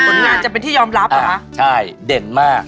ผลงานจะเป็นที่ยอมรับเหรอคะใช่เด่นมาก